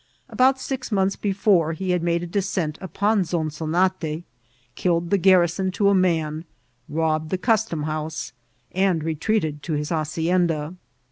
About six mcmths before he had made a descent upon Zonzonate, killed the garrison to a man, robbed the custom house, and re treated to his hacienda.